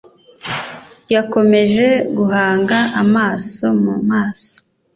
Yakomeje guhanga amaso mu maso.